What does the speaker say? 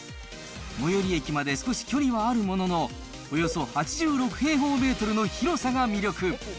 最寄り駅まで少し距離はあるものの、およそ８６平方メートルの広さが魅力。